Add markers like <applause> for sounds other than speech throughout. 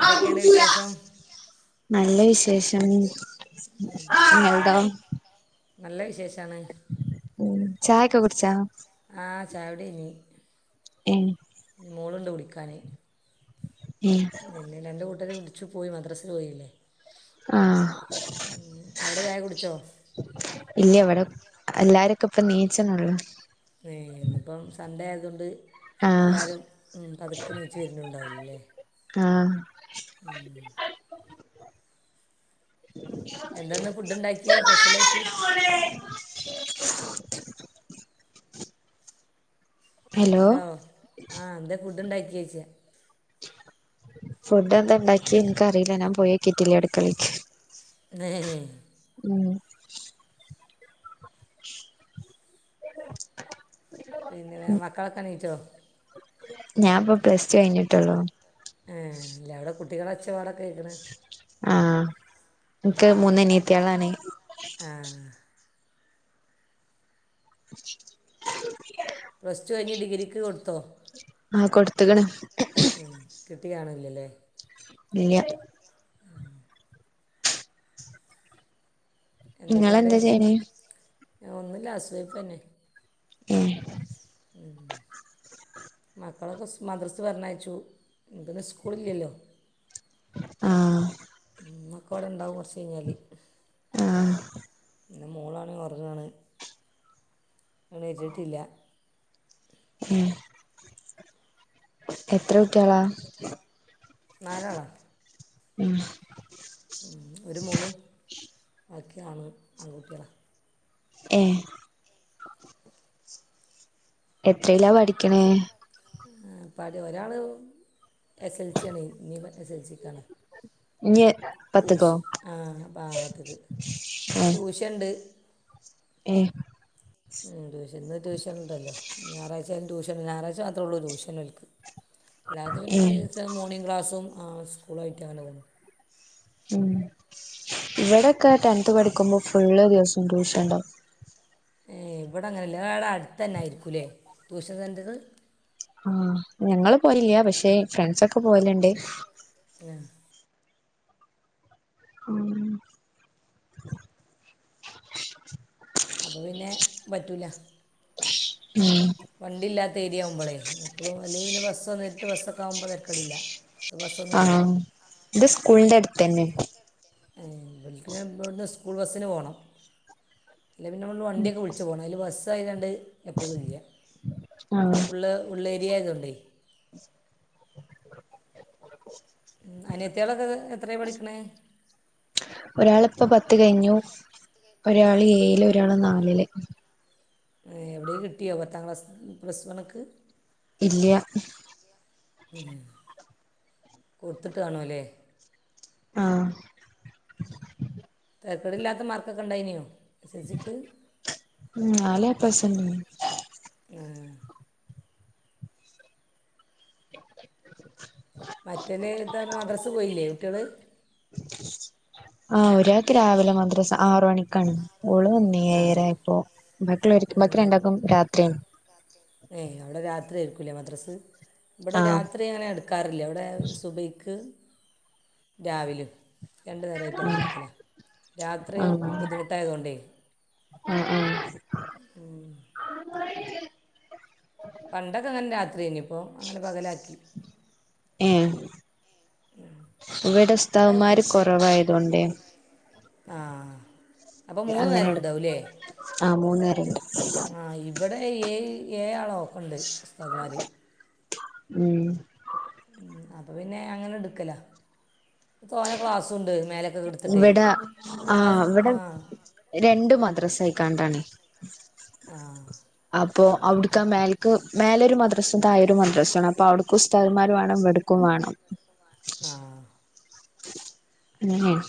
എന്തെക്കേണ് വിശേഷം നല്ല വിശേഷം എവിടാ നല്ല വിശേഷാണ് ചായൊക്കെ കുടിച്ചാ ആഹ് ചായുടിഴിഞ്ഞ് ഏഹ് മോളുണ്ട് വിളിക്കാനേ ഊം പിന്നെ രണ്ട് കൂട്ടരും ഒന്നിച്ച് പോയി മദ്രാസേ പോയില്ലേ ആഹ് ഉം. അവിടെ ചായ കുടിച്ചോ ഇല്ലിവിടെ എല്ലാരൊക്കെ ഇപ്പ നീച്ചണൊള്ളൂ ഈ ഇന്നിപ്പം സൺഡേ ആയതുകൊണ്ട് ആഹ് എല്ലാരും ഉം പതുക്കെ നീച്ചു വരണൊള്ളാരുന്നുല്ലേ ആഹ് ഉം എന്തന്ന ഫുഡ് ഉണ്ടാക്കി സ്പെഷ്യലായട്ട് ഹലോ ആഹ് എന്താ ഫുഡ് ഉണ്ടാക്കിഴിച്ച് ഫുഡ് എന്താ ഉണ്ടാക്കിയേ എനിക്കറിയില്ല ഞാൻ പോയേ കേറ്റില്ല അടുക്കളേക്ക് തേയ് ഉം പിന്നെന്താ മക്കളൊക്കെ എണീച്ചോ ഞാൻപ്പോ പ്ലസ് ടു കഴിഞ്ഞിട്ടുള്ളൂ ഏഹ് ഇല്ല അവിടെ കുട്ടികളെ ഒച്ച പോലെ കേക്കണ് ആഹ് എനിക്ക് ഊം മൂന്ന് അനിയത്തികളാണ് ആഹ് പ്ലസ് ടു കഴിഞ്ഞ് ഡിഗ്രിക്ക് കൊടുത്തോ ആഹ് കൊടുത്തക്കണ് ഉം കിട്ടി കാണൂലല്ലേ ഇല്ലാ എന്തെക്കെണ്ട് നിങ്ങളെന്താ ചെയ്യണേ ആഹ് ഒന്നുല്ല ഹൗസ് വൈഫ്ന്നെ ഉം ഉം മക്കളൊക്കെ മദ്രസെ പറഞ്ഞയച്ചു എന്തന്ന് സ്കൂളില്ലല്ലോ ആഹ് <unintelligible> ഉണ്ടാവും കുറച്ച് കഴിഞ്ഞാല് ആഹ് പിന്നെ മോളാണ് ഒറങ്ങാണ് എണീറ്റിട്ടില്ല ഉം എത്ര കുട്ട്യാളാ നാലാള ഉം ഒരു മോളും ബാക്കി ആണും ആൺകുട്ടികള. ഏഹ് എത്രില്ലാ പഠിക്ക്ണ് പാട ഒരാള് എസ് എൽ സി യണ് ഇനി എസ് എൽ സിക്കാണ് <unintelligible> ട്യൂഷ് ആഹ് ഭാഗത്ത് ക് ട്യൂഷൻണ്ട് ഏഹ് ട്യൂഷൻന്ന് ട്യൂഷൻ ഉണ്ടല്ലോ ഞായറാഴ്ച്ചാലും ട്യൂഷൻ ഞായറാഴ്ച മാത്രേ ഉള്ളൂ ട്യൂഷനൽക്ക് അല്ലാത്ത ഏ പിന്നെ മോർണിംഗ് ക്ലാസ്സും സ്കൂളായിട്ടും അങ്ങനെ പോകുന്നു ഇവിടെക്കെ ടെൻത് പഠിക്കുമ്പോ ഫുള്ള് ദിവസം ട്യൂഷൻണ്ടാവും ഏഹ് ഇവിടെ അങ്ങനെല്ല ഇങ്ങളവിടെ അടുത്ത്തന്നൊയിരിക്കുംല്ലേ ട്യൂഷൻ സെന്ററ് ആഹ് ഞങ്ങള് പോയില്ല പക്ഷെ ഫ്രണ്ട്സൊക്കെ പോവലുണ്ട്. ആഹ് <inaudible> അപ്പൊ പിന്നെ പറ്റൂല ഉം വണ്ടില്ലാത്ത ഏരിയാവുമ്പളേ എപ്പളും അല്ലെ പിന്നെ ബസും നേരിട്ട് ബസ്സ് ഒക്കെ ആവുമ്പോ തരക്കെടില്ല ആഹ് ഇത് സ്കൂളിന്റെ അടുത്ത് തന്നെ <unintelligible> ഇവിടുന്ന് സ്കൂൾ ബസ്സിന് പോണം അല്ല പിന്നെ നമ്മള് ഇവട്ന്ന് വണ്ടിയൊക്കെ വിളിച്ച് പോണം അതിൽ ബസ്സായതാണ്ട് എപ്പളും ഇല്ല ആഹ് ഉള്ള് ഉള്ളേരിയായതോണ്ടേയ് ഉം അനിയത്തിയാളൊക്കെ എത്രയാ പഠിക്കണ് ഒരാളിപ്പം പത്ത് കഴിഞ്ഞു, ഒരാള് ഏയില്, ഒരാള് നാലില്. എവിടെയും കിട്ടിയോ പത്താം ക്ലാസ് പ്ലസ് വണ്ക്ക്. ഇല്യ ഉം കൊടുത്തിട്ട് കാണുല്ലേ ആഹ് തെരക്കെടില്ലാത്ത മാർക്കൊക്കെ ഉണ്ടായിനോ എസ് എസ് സിക്ക് ഉം നാല് എ പ്ലസ് ഉണ്ട് ആഹ് <inaudible> മറ്റന് ത മദ്രാസ് പോയില്ലേ കുട്ടികള്. ആഹ് ഒരാക്ക് രാവിലെ മദ്രസ ആറ് മണിക്ക് ക്കാണ് ഓള് വന്നീനി ആ ഏഴര ആയപ്പോ ബാക്കി ഒള്ളോര്ക്കും ഇബൽക്ക് രണ്ടാക്കും രാത്രിയാണ് ഏയ് അവിടെ രാത്രി ആയിരിക്കൂല്ലേ മദ്രസ് ഇവിടെ ആഹ് രാത്രി അങ്ങനെ എടു ക്കാറില്ല ഇവിടെ സുബയ്ക്ക് രാവിലിം രണ്ട് നേരയിട്ട് അങ്ങനെ എടുക്കല രാത്രി ആഹ് ബുദ്ധിമുട്ടായതോണ്ടേയ് ആഹ് ആഹ് പണ്ടൊക്കെ അങ്ങനെ രാത്രിയ്നി ഇപ്പോ അങ്ങനെ പകലാക്കി ഏഹ് ഇവിടെ ഉസ്താദ്മാര് ഇവിടെ ഉസ്താദുമാർ കൊറവായതോണ്ടേ കുറവായതുകൊണ്ട് ആഹ് അപ്പൊ മൂന്നു അങ്ങനെ നേരം എടു ഉണ്ടാവൂല്ലേ ആഹ് മൂന്ന് നേരണ്ട് ആ ഇവിടെ ഏഴ് ഏഴാളൊക്കെണ്ട് ഉസ്താദ്മാര് ഉം ഉം അപ്പ പിന്നെ അങ്ങനെ എട്ക്കലാ തോനെ ക്ലാസ്സുണ്ട് മേല ഇവ്ടെ ആഹ് ഇവ്ടെ രണ്ട് മദ്രസ ആയ്ക്കാണ്ടാണെ. ആ അപ്പൊ അവ്ടുക്കാ അപ് മെൽ ക്ക് മേലൊരു മദ്രാസും തായൊരു മദ്രാസും ആണ് അപ്പൊ അവ്ട്ക്ക് ഉസ്താദ്മാര് വാണം ഇവ്ട്ക്കും വാണം. ആഹ് ഉം <unintelligible>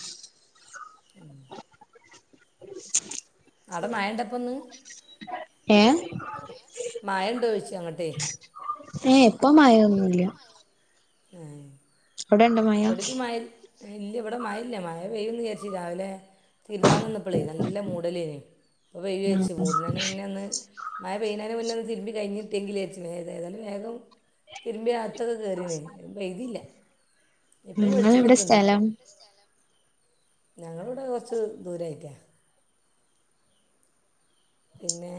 ഉം <inaudible> അടെ മയണ്ടപ്പന്ന് ഏഹ് മയണ്ടോയ്ച്ചാ അങ്ങട്ടെ ഏഹ് പ്പ മയൊന്നുല്ല. ഏഹ് അവ്ടെണ്ടോ മ ഇവ്ട്പ്പ മയ് ഇല്ല ഇവ്ടെ മയ ഇല്ല മയ പെയ്യുന്ന് വിചാര്ച്ച് രാവിലെ തിരുമ്പാൻ നിന്ന പ്പളെ നല്ല മൂടലെനി പ്പ വെയില് ഉം വെച്ചു മൂട്ന്നയ്ന് മുന്നെ ഒന്ന് മഴ പെയ്യ്ണെന് മുന്നെന്ന് തിര്മ്പികഴ്ഞ്കിട്ടിയെങ്കിലേച്ചണ്ണ് ഏതായാലും വേഗം തിര്മ്പിയകത്തൊക്കെ കേറിന്ന് പെയ്തില്ല. ഇപ്പം നിങ്ങള് വെളിച്ചം എവ്ടാ വെക്കുന്നുണ്ട് സ്ഥലം? ഞങ്ങള്വ്ടെ കൊറച്ച് ദൂരായിട്ടാ. പിന്നെ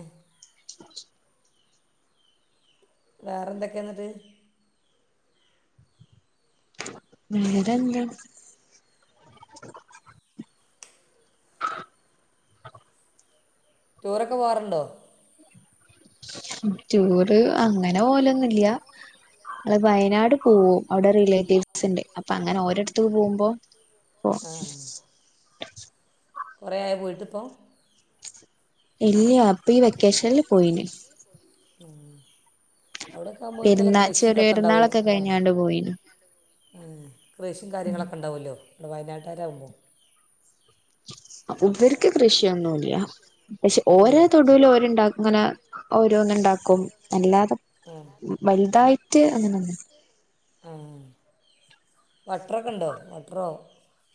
<inaudible> വേറെന്തൊക്കെ എന്നിട്ട്? വേറെന്താ <inaudible> ടൂറൊക്കെ പോവാറ്ണ്ടോ? റ്റൂറ് അങ്ങനെ പോലൊന്നുല്ല്യ ങ്ങള് വയനാട് പോവും അവ്ടെ റിലേറ്റീവ്സ്ണ്ട് അപ്പ അങ്ങനെ ഓരട് ത്തു പോമ്പോ പോ കൊറേയായോ പോയ്ട്ട്പ്പോ? ഇല്ല്യാ പ്പ ഈ വെക്കേഷൻല് ഉം അവ്ടെക്കെ ആവ്മ്പോല്ക്ക് പെരുന്നാ ചെറിയ കൃഷിന്തൊക്കെ ണ്ടാവല്ലോ? പെരുന്നാളൊക്കെ കഴിഞ്ഞാണ്ട് പോയിന് കൃഷി കാര്യങ്ങളൊക്കെ ഉണ്ടാവ്ല്ലോ ഇവ്ടെ വയനാട്ടരകുമ്പോ. ഇബര്ക്ക് കൃഷിയൊന്നുംല്ല പഷേ ഓരോ ഇല്ലേ തൊടുവില് ഓല്ണ്ടാക്ക ങ്ങനെ ഓരോന്ന്ണ്ടാക്കും അല്ലാതെ ആ വല്തായിട്ട് അങ്ങനെന്നും ആ വട്ട്റൊക്കെണ്ടോ വട്ട്റോ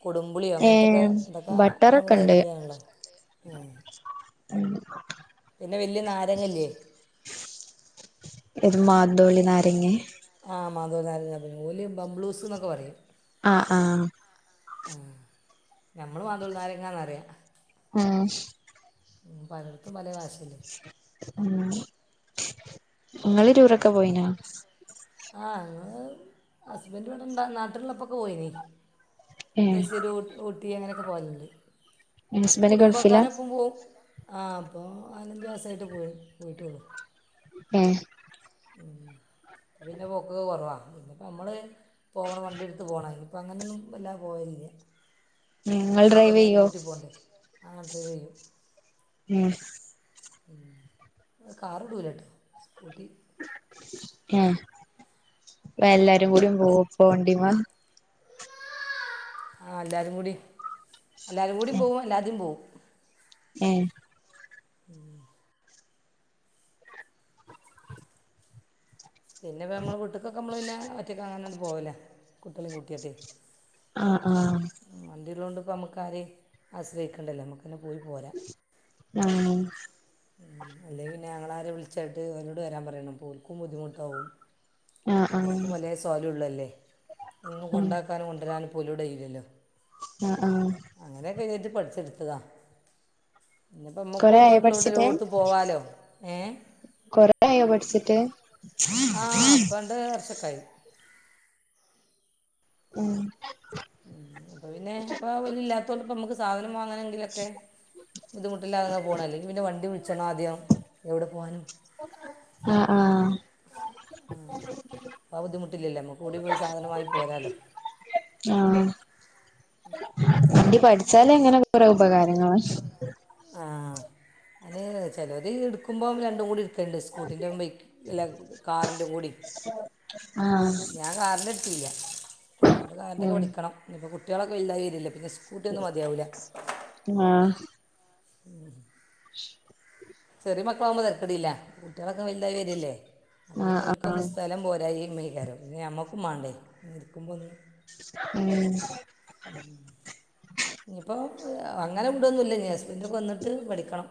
കുടും മ്പുളിയോ ഏ അങ്ങനത്തൊക്കെ ഇദൊക്കെ ബട്ടറൊക്കെ അവ്ടെ ഇല്ലതാണല്ലോ. ഉം പിന്നെ വല്യ നാരങ്ങല്ലേ? എത് മാന്തോളിനാരങ്ങേ? ആ മാന്തോളി നാരങ്ങ അതന്നെ ഓല് ബംബ്ളൂസ് ന്നൊക്കെ പറയും. ആഹ് ആഹ് ആ ഞമ്മള് മാന്തോളി നാരങ്ങാന്നറയാ ഉം ഉം പലടത്തും പല ഭാഷല്ലേ? ഉം ഇങ്ങള് റ്റൂറൊക്കെ പോയിനോ? ആ ഞള് ഹസ്ബന്റ് ഇവ്ടെണ്ടാ നാട്ടില്ള്ളപ്പൊക്കെ പോയ്നി ഏഹ് മൈസൂര് ഊ ഊട്ടി അങ്ങനെ ഒക്കെ പോവല്ണ്ട്. ഹസ്ബന്റ് ഗൾഫിലാ കുടുംബക്കാരൊപ്പം പോവും ആ പ്പൊ നാലഞ്ചു മാസായിട്ട് പോയ് പോയ്ട്ടൊള്ളു. ഏഹ് <inaudible> ഇന്റെ പൊക്കൊക്കെ കൊറവാ പിന്നെപ്പോം നമ്മള് പോകണം വണ്ടിയെടുത്ത് പോകണിൽ ഇപ്പം അങ്ങനെയൊന്നും അല്ലാ പോവേല്ല ങ്ങൾ ഡ്രൈവയ്യോ ആഹ് ഡ്രൈവേയ്യു ഉം കാറ്ടുലട്ടോ സ്കൂട്ടി ഹേ എല്ലാരും കൂടെ പോവും അപ്പാ വാണ്ടിമ്മ ആഹ് എല്ലാവരും കൂടി എല്ലാവരും കൂടിയും പോവും അല്ലാതേ പോവും ഏ <inaudible> പിന്നെ നമ്മള് വീട്ട് ക്കൊക്കെ നമ്മള് പിന്നെ ഒറ്റക്കെ അങ്ങാനട്ട് പോവലാ കുട്ടികളെം കൂട്ടിയാട്ട് ആഹ് ആഹ് വണ്ടിയ ഉള്ളതു കൊണ്ട് ഇപ്പോം നമുക്കാരെയ ആശ്രയിക്കേണ്ടല്ലേ നമുക്കന്നെ പോയി പോരാ ആഹ് ഉം അല്ലെ പിന്നെ അങ്ങളരെ വിളിച്ചാട്ട് അവരോട് വരാൻ പറയണം അപ്പോ ഓല്ക്കും ബുദ്ധിമുട്ടാവും ആഹ് ആഹ് ഓൽകും പലെ സൊയൽ ള്ളല്ലേ എന്നും ഉം കൊണ്ടാക്കാനും കൊണ്ടുവരാനും പോ ഓലൊണ്ട് കൈയില്ലല്ലോ. ആഹ് ആഹ് അങ്ങനെയൊക്കെ കഴിഞ്ഞട്ട് പഠിച്ചെടുത്തതാ ഇന്നപ്പോ നമ്മുക്ക് കൊറേ ആയോ പോകണ്ടാടുത്ത വണ്ടി പഠിച്ചിട്ട് എടുത്ത പോവാലോ ഏഹ് കൊറയയോ പഠിച്ചിട്ട് ആഹ് ഇപ്പോ രണ്ട് വർഷക്കായി ഉം ഉം അപ്പൊ പിന്നെ അവര് ഇല്ലാത്തോണ്ട് ഇപ്പ നമുക്ക് സാധനം വാങ്ങാനെങ്കിലൊക്കെ ബുദ്ധിമുട്ടില്ലാതങ്ങനെ പോകണം അല്ലെങ്കിൽ പിന്നെ വണ്ടി വിളിച്ചണ്ണം ആദ്യം എവിടെ പോവാനും ആഹ് ആഹ് ഉംഅപ്പ ബുദ്ധിമുട്ടില്ലല്ലേ നമ്മുക്ക് ഓടി പോയി സാധനം വാങ്ങി പോരാലോ ആഹ് വണ്ടി പഠിച്ചാല് അങ്ങനെ കുറെ ഉപകാരങ്ങളാ ആഹ് അത് ചിലര് എടുക്കുമ്പോം രണ്ടും കൂടി എ എടുകണ്ട് സ്കൂട്ടീൻ്റെ ബൈക്ക് അല്ല കാറിൻ്റെ കൂടി ആഹ് ഞാൻ കാറിൻ്റെ എടുതില്ല ഇപ്പൾ കാറിൻ്റക്കെ ഉം പഠിക്കണം ഇപ്പോൾ കുട്ടികളൊക്കെ വലുതയി വരില്ല പിന്നെ സ്കു സ്കൂട്ടിയൊന്നും മതിയാവൂല ആഹ് ഉം ചെറിയമക്കളാകുമ്പോ തിരക്കടിയില്ല കുട്ടികളൊക്കെ വലിതായി വരില്ലേ പിന്നെ ഒ ആഹ് ഓൽക്കൊന്ന് ആഹ് സ്ഥലം പോരയിമകാരം നമ്മുക്കും വേണ്ടേ ഇക്കുമ്പോ ഒന്ന് ഉം ഉം ഇനിയിപ്പോൾ അങ്ങനെ വിടുന്നു മില്ല ഹസ്പിൻൊക്കെ വന്നിട്ട് പഠിക്കണം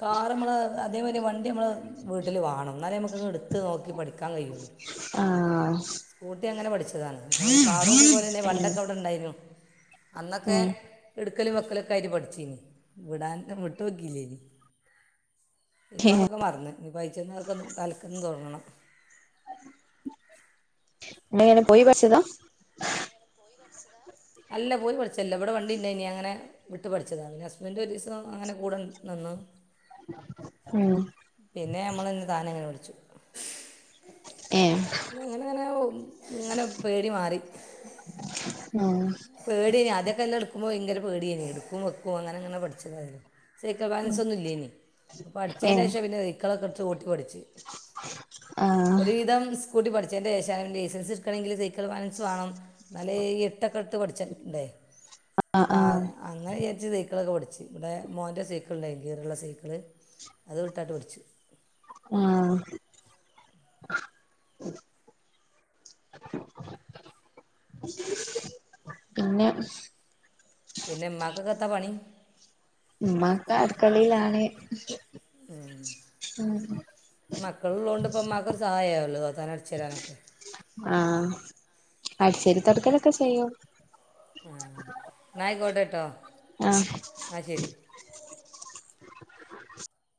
കാർ നമ്മൾ അതേ മതിരി വണ്ടി നമ്മൾ വീട്ടില് വേണം എന്നാലേ നമ്മുക്ക് എടുത്ത് നോക്കി പഠിക്കാൻ കഴിയുള്ളു ആഹ് സ്കൂട്ടി അങ്ങനെ പഠിച്ചതാണ് അപ്പ് കാറും അതോ പോലെ തന്നെ ഉം പണ്ടൊക്കെ ഇവിടെ ഉണ്ടായിരുന്നു അന്നൊക്കെ ഉം എടുക്കലും വെക്കലൊക്കെ ആയിട്ട് പഠിച്ചന് വിടാൻ വിട്ട് നോക്കിയില്ലേനി. ഇപ്പൾ അതക്കെ മറന്ന് ഇനിപ്പോൾ അയച്ചന്നവൊക്കെ തലക്കന്ന് തൊടങ്ങണം എങ്ങനെ പോയി പഠിച്ചതാ അല്ല പോയി പഠിച്ചല്ല ഇവിടെ വണ്ടി ഇ ണ്ടാ യിനി അങ്ങനെ വിട്ട് പഠിച്ചതാണ് പിന്നെ ഹസ്ബൻ് ഒരു ദിവസം അങ്ങനെ കൂടെനിന്നു ഉം പിന്നെ നമ്മള്ന്നെ താനെ അങ്ങനെ പഠിച്ചു. ഏ പിന്നെ അങ്ങനെ അങ്ങനെ ഇങ്ങനെ പേടി മാറി.. ഉം.. പേടിയ്ന് അദ്യക്കെഎല്ലാം എടുക്ക്പോ ഭങ്കര പേടിയ്ന്ന് എടുക്കും വെക്കും അങ്ങനെ അങ്ങനെ പഠിച്ചതായി രുന്നു.. സൈക്കിൾ ബാലൻസ് ഒന്നും ഇല്ല്യയ്ന്ന് ഇപ്പോ പഠിച്ചതിന്റെ ഏഹ് ശേഷം പിന്നെ സൈക്കളൊക്കെട്ത്ത് ഓട്ടി പഠിച്ച്.. ആഹ് ഒരുവിധം സു.. സ്കൂട്ടി പഠിച്ചതിൻ്റെ ശേഷം ലൈസൻസ് എടുക്കണമെങ്കിൽ സൈക്കിൾ ബാലൻസ് വേണം ന്നലെ ഇ.. എടുത്ത് പഠിച്ച്ട്ട്ണ്ടെ അപ ആഹ് ആ.. ആഹ് അങ്ങനെ വിചാരിച്ച് സൈക്കിളെക്കെ പഠിച്ച് ഇവിടെ മോൻ്റെ സൈക്കിള് ഉണ്ടായി ഗീർള്ള സൈക്കിള്.. അത് ഇടത്താണ്ട് പഠിച്ചു.. ആഹ.. പിന്നെ.. പിന്നെ മ്മാക് ഒക്കെ എത്ത പണി.. ഇമ്മക്ക് അടുക്കളിയിലാണ് ഉം.. മക്കള് ഉള്ളുതൊണ്ട് ഇപ്പംമ്മാക്കൊരു സഹായമാവല്ലോ തൊത്താനും അടച്ച് ഒരാനൊക്കെ.. ആഹ അടി ചോരി തൊടക്കലൊക്കെ ചെയ്യും.. ആ ഇന്നായിക്കോട്ടട്ടോ ആഹ് ന്നാ ശരി..